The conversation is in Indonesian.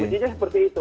sebetulnya seperti itu